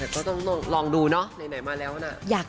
ก็ต้องลองดูเนาะไหนมาแล้วนะ